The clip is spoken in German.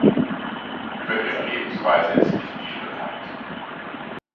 Über ihre Lebensweise ist nicht viel bekannt.